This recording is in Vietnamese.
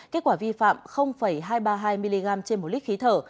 kết quả vi phạm hai trăm ba mươi hai mg trên một lít khí thở